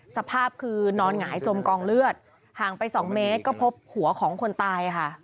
สภาพคือนอนหงายจมกองเลือดห่างไป๒เมตรก็พบหัวของคนตายค่ะ